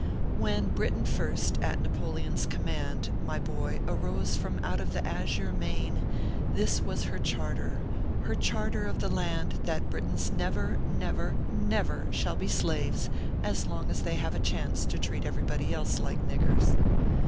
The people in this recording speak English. WHEN Britain first, at Napoleon s command, my boy, arose from out the azure main, this was her charter, her charter of the land, that Britains never, never, never shall be slaves as. long as they have a chance to treat everybody else like niggers.